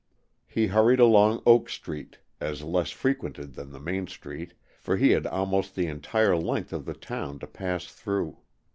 He hurried along Oak Street as less frequented than the main street, for he had almost the entire length of the town to pass through.